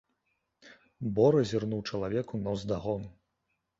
Бора зірнуў чалавеку наўздагон.